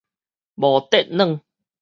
無塊軟